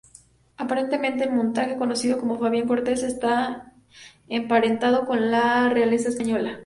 Aparentemente el mutante conocido como Fabian Cortez, está emparentado con la realeza española.